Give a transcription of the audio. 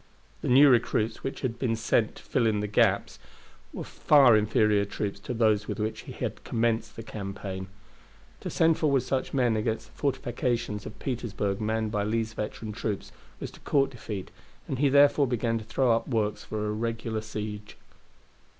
The new recruits that had been sent to fill up the gaps were far inferior troops to those with which he had commenced the campaign. To send forward such men against the fortifications of Petersburg manned by Lee's veteran troops was to court defeat, and he therefore began to throw up works for a regular siege.